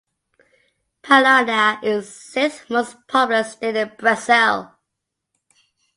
Parana is the sixth most populous state in Brazil.